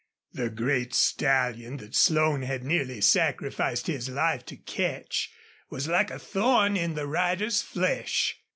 The great stallion that Slone had nearly sacrificed his life to catch was like a thorn in the rider's flesh.